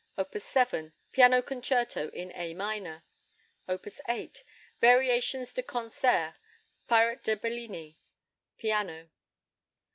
Op. 7, Piano Concerto in A minor. Op. 8, Variations de Concert (Pirate de Bellini), piano.